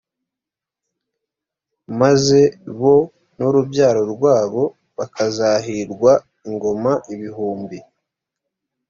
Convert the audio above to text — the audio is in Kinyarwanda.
maze bo n’urubyaro rwabo bakazahirwa ingoma ibihumbi!